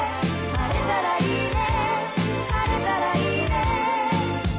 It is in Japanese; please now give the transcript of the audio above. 「晴れたらいいね」